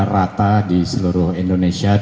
rata di seluruh indonesia